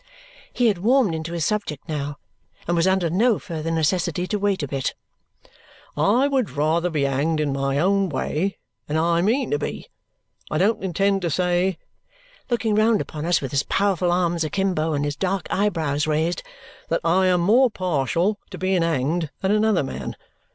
He had warmed into his subject now, and was under no further necessity to wait a bit. "I would rather be hanged in my own way. And I mean to be! I don't intend to say," looking round upon us with his powerful arms akimbo and his dark eyebrows raised, "that I am more partial to being hanged than another man.